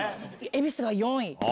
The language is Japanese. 恵比寿が４位。